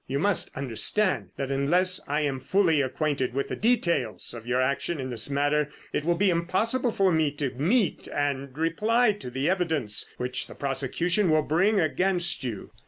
You must understand that unless I am fully acquainted with the details of your actions in this matter, it will be impossible for me to meet and reply to the evidence which the prosecution will bring against you."